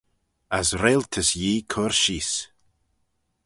As reiltys Yee cur sheese.